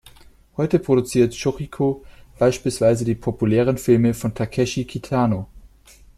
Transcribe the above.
Heute produziert Shōchiku beispielsweise die populären Filme von Takeshi Kitano.